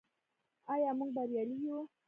آیا موږ بریالي یو؟